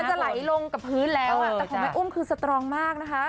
จะไหลลงกับพื้นแล้วอ่ะแต่ของแม่อุ้มคือสตรองมากนะคะ